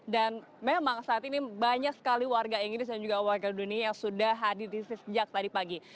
dan memang saat ini banyak sekali warga inggris dan juga warga dunia yang sudah hadir di sini sejak tadi pagi